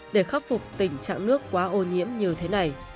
để khắc phục tình trạng nước quá ô nhiễm như thế này